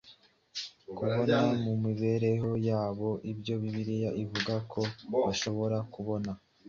kubona mu mibereho yabo ibyo Bibiliya ivuga ko bashobora kubona,